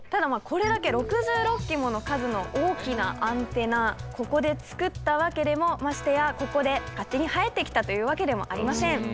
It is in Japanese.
これだけ６６基もの数の大きなアンテナここで作ったわけでもましてやここで勝手に生えてきたというわけでもありません。